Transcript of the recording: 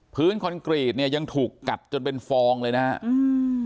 คอนกรีตเนี่ยยังถูกกัดจนเป็นฟองเลยนะฮะอืม